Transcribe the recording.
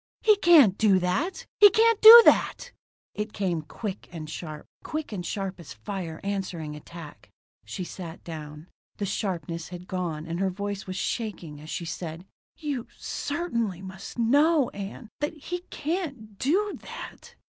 "He can't do that! He can't do that!" It came quick and sharp. Quick and sharp as fire answering attack. She sat down. The sharpness had gone and her voice was shaking as she said: "You certainly must know, Ann, that he can't do that."